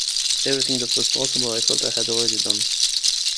Everything that was possible I felt I had already done.